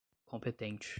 competente